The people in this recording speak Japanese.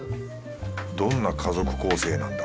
どんな家族構成なんだ？